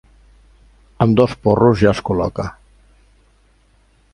Amb dos porros ja es col·loca.